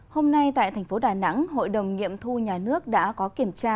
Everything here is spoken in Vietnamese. hôm nay tại thành phố đà nẵng hội đồng nghiệm thu nhà nước đã có kiểm tra